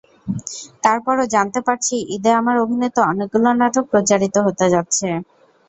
তার পরও জানতে পারছি, ঈদে আমার অভিনীত অনেকগুলো নাটক প্রচারিত হতে যাচ্ছে।